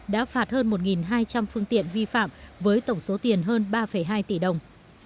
đã phạt hơn một hai trăm linh phương tiện vi phạm với tổng số tiền hơn ba hai tỷ đồng